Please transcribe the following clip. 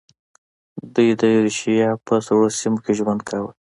دوی د یوریشیا په سړو سیمو کې ژوند کاوه.